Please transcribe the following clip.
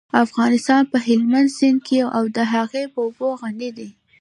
افغانستان په هلمند سیند او د هغې په اوبو غني دی.